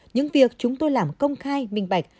những việc chúng tôi làm công khai minh bạch